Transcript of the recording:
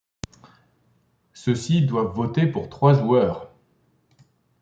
Ceux-ci doivent voter pour trois joueurs.